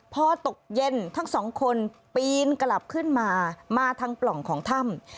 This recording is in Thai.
พอตกเย็นทั้งสองคนปีนกลับขึ้นมามาทางปล่องของถ้ำ